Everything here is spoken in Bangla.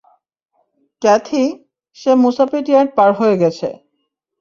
ক্যাথি, সে মুসাপেট ইয়ার্ড পার হয়ে গেছে।